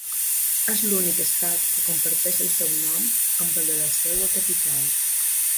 És l’únic estat que comparteix el seu nom amb el de la seua capital.